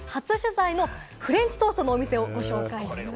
テレビ初取材のフレンチトーストのお店をご紹介します。